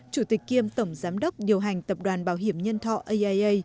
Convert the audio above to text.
chủ tịch kiêm tổng giám đốc điều hành tập đoàn bảo hiểm nhân thọ aia